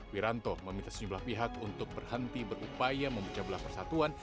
wiranto meminta sejumlah pihak untuk berhenti berupaya mempercablah persatuan